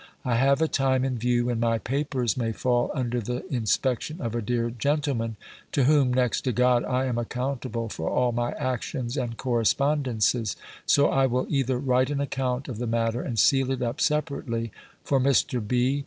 I have a time in view, when my papers may fall under the inspection of a dear gentleman, to whom, next to God, I am accountable for all my actions and correspondences; so I will either write an account of the matter, and seal it up separately, for Mr. B.